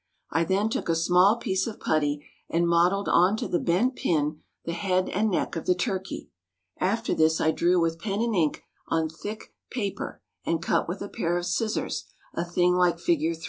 I then took a small piece of putty, and modelled on to the bent pin the head and neck of the turkey. After this I drew with pen and ink on thick paper, and cut with a pair of scissors, a thing like Fig.